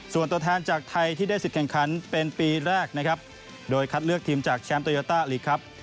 ตัวแทนจากไทยที่ได้สิทธิ์แข่งขันเป็นปีแรกนะครับโดยคัดเลือกทีมจากแชมป์โตโยต้าลีกครับ